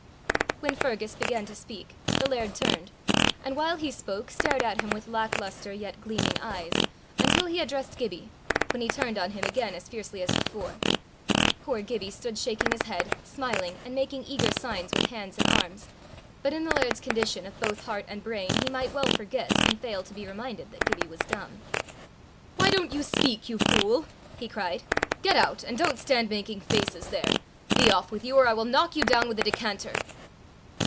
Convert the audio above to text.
When Fergus began to speak, the laird turned, and while he spoke stared at him with lack lustre yet gleaming eyes, until he addressed Gibbie, when he turned on him again as fiercely as before. Poor Gibbie stood shaking his head, smiling, and making eager signs with hands and arms; but in the laird's condition of both heart and brain he might well forget and fail to be reminded that Gibbie was dumb. "Why don't you speak, you fool?" he cried. "Get out and don't stand making faces there. Be off with you, or I will knock you down with a decanter."